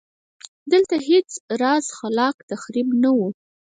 دلته هېڅ راز خلاق تخریب نه و